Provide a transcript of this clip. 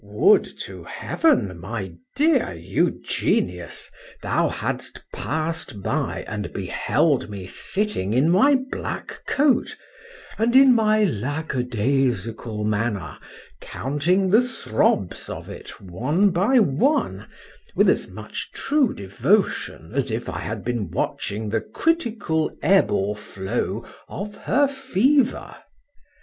— —Would to heaven! my dear Eugenius, thou hadst passed by, and beheld me sitting in my black coat, and in my lack a day sical manner, counting the throbs of it, one by one, with as much true devotion as if I had been watching the critical ebb or flow of her fever.